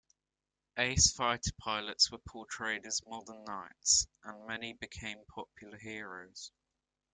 Ace fighter pilots were portrayed as modern knights, and many became popular heroes.